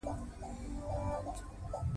اداري مقررات د خدمت د کیفیت لپاره دي.